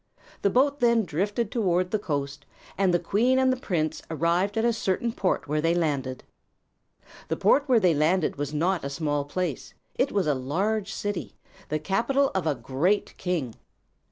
The boat then drifted toward the coast, and the queen and the prince arrived at a certain port where they landed. The port where they landed was not a small place; it was a large city, the capital of a great king.